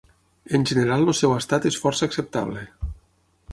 En general el seu estat és força acceptable.